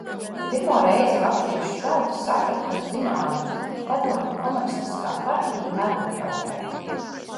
Pirmo reizi latviešu tauta saprata un zināja, ka padomju komunistiskā partija melo tautai.